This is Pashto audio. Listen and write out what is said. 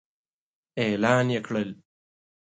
اعلان يې کړل.